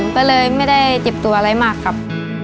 ก็เลยไม่ได้เจ็บตัวอะไรมากครับ